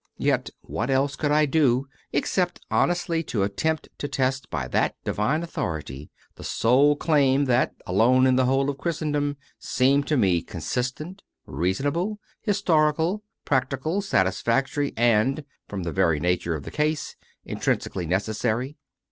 Yet what else could I do except honestly to attempt to test by that divine authority the sole claim that, alone in the whole of Christendom, seemed to me consistent, reasonable, historical, practical, satisfactory, and, from the very nature of the case, intrinsically necessary?